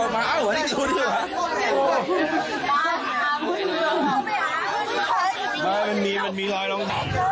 มันมีมันมีรอยลง